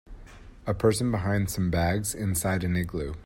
A person behind some bags inside an igloo.